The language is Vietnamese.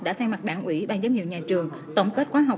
đã thay mặt đảng ủy ban giám hiệu nhà trường tổng kết quán học